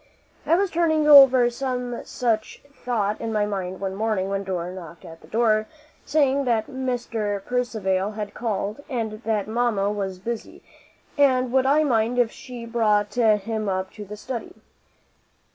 I was turning over some such thought in my mind one morning, when Dora knocked at the door, saying that Mr. Percivale had called, and that mamma was busy, and would I mind if she brought him up to the study.